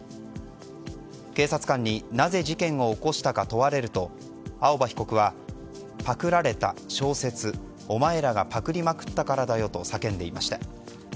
警察官に、なぜ事件を起こしたか問われると青葉被告はパクられた小説お前らがパクりまくったからだよと叫んでいました。